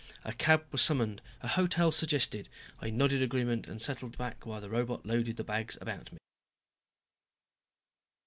A cab was summoned, a hotel suggested. I nodded agreement and settled back while the robot loaded the bags about me.